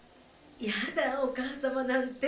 やだお母さまなんて。